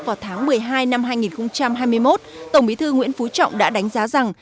vào tháng một mươi hai năm hai nghìn hai mươi một tổng bí thư nguyễn phú trọng đã đánh giá rằng